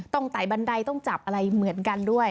ไต่บันไดต้องจับอะไรเหมือนกันด้วย